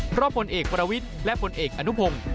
เพราะผลเอกประวิทย์และผลเอกอนุพงศ์